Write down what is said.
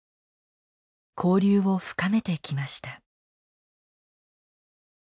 交流を深めてきました。